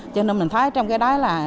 cho nên mình thấy trong cái đó là